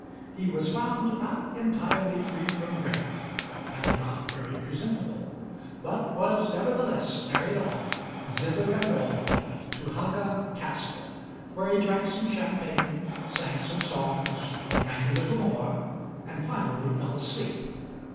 "He was found not entirely free from drink, and not very presentable, but was nevertheless carried off, zither and all, to Haga Castle, where he drank some champagne, sang some songs, drank a little more, and finally fell asleep.